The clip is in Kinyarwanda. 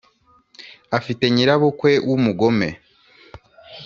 afite nyirabukwe wu umgome